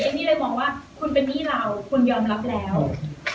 พี่เลยมองว่าคุณเป็นหนี้เราคุณยอมรับแล้ว